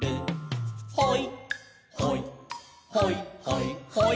「ほいほいほいほいほい」